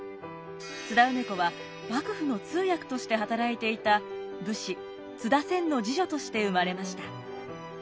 津田梅子は幕府の通訳として働いていた武士津田仙の次女として生まれました。